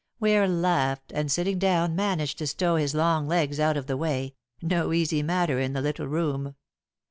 Ware laughed, and sitting down managed to stow his long legs out of the way no easy matter in the little room.